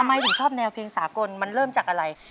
ทำไมถึงชอบแนวเพลงสากลมันเริ่มจากอะไร